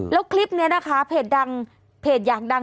แล้วคลิปนี้นะคะเพจดังเพจอยากดัง